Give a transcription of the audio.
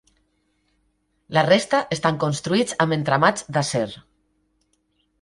La resta estan construïts amb entramats d'acer.